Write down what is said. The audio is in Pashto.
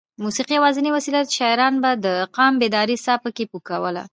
موسېقي یوازینۍ وسیله وه چې شاعرانو به د قام بیدارۍ ساه پکې پو کوله.